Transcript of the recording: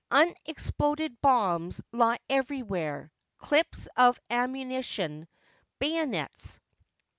Unexploded bombs lie everywhere, clips of ammunition, bayonets.